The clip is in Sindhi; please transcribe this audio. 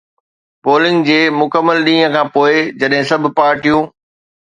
پولنگ جي مڪمل ڏينهن کان پوء، جڏهن سڀ پارٽيون